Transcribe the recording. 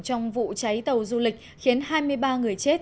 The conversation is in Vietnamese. trong vụ cháy tàu du lịch khiến hai mươi ba người chết